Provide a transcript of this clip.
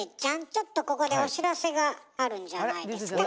ちょっとここでお知らせがあるんじゃないですか？